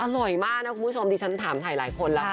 อร่อยมากนะคุณผู้ชมดิฉันถามถ่ายหลายคนแล้วค่ะ